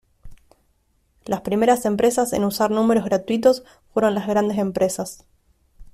Las primeras empresas en usar números gratuitos fueron las grandes empresas.